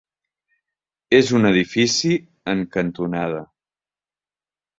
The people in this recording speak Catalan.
És un edifici en cantonada.